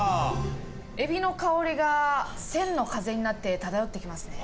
「エビの香りが千の風になって漂ってきますね」。